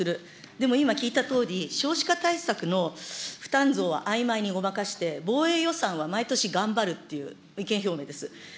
でも今、聞いたとおり、少子化対策の負担増はあいまいにごまかして、防衛予算は毎年頑張るっていう意見表明です。